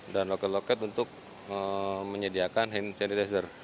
dan loket loket untuk menyediakan hand sanitizer